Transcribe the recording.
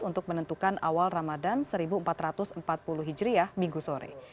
untuk menentukan awal ramadan seribu empat ratus empat puluh hijriah minggu sore